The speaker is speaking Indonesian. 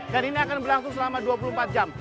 dan ini akan berlangsung selama dua puluh empat jam